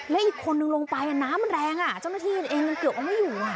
และอีกคนนึงลงไปน้ำมันแรงอ่ะเจ้าหน้าที่เองยังเกือบเอาไม่อยู่